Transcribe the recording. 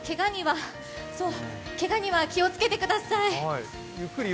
けがには気をつけてください。